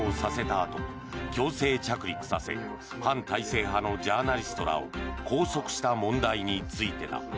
あと強制着陸させ反体制派のジャーナリストらを拘束した問題についてだ。